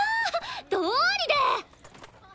どうりで！